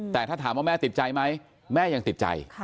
แต่ถ้าถามว่าแม่ติดใจไหมแม่ยังติดใจ